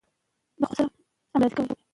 دا وسلې د چا له خوا اخیستل شوي دي؟